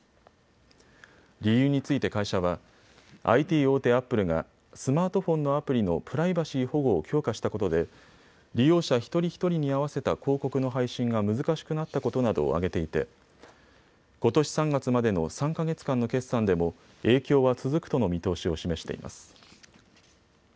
理由について会社はＩＴ大手、アップルがスマートフォンのアプリのプライバシー保護を強化したことで利用者一人一人に合わせた広告の配信が難しくなったことなどを挙げていてことし３月までの３か月間の決算でも影響は続くとの見通しを示しています。